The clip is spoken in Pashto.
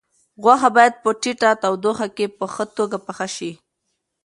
غوښه باید په ټیټه تودوخه کې په ښه توګه پخه شي.